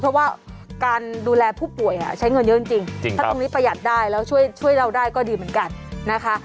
เพราะว่าการดูแลผู้ป่วยใช้เงินเยอะจริงถ้าตรงนี้ประหยัดได้แล้วช่วยเราได้ก็ดีเหมือนกันนะคะ